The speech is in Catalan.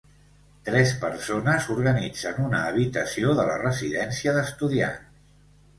Tres persones organitzen una habitació de la residència d'estudiants